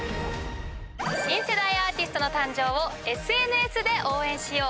新世代アーティストの誕生をＳＮＳで応援しよう。